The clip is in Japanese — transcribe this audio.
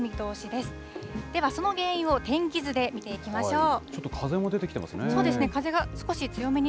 では、その原因を天気図で見ていきましょう。